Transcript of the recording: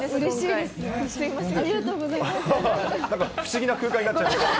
なんか不思議な空間になっちゃいました。